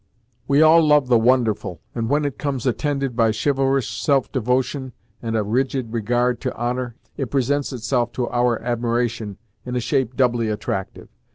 We all love the wonderful, and when it comes attended by chivalrous self devotion and a rigid regard to honor, it presents itself to our admiration in a shape doubly attractive.